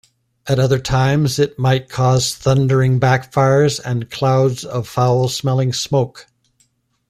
At other times it might cause thundering backfires and clouds of foul-smelling smoke.